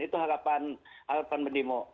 itu harapan pendimu